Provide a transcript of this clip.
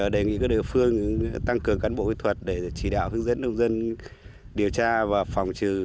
đề nghị các địa phương tăng cường cán bộ kỹ thuật để chỉ đạo hướng dẫn nông dân điều tra và phòng trừ